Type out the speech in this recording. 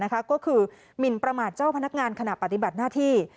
ก็คือหมินประมาทเจ้าพนักงานขณะปฏิบัติหน้าที่